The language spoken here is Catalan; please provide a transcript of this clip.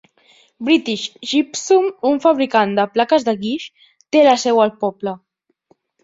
British Gypsum, un fabricant de plaques de guix, té la seu al poble.